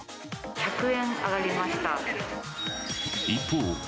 １００円上がりました。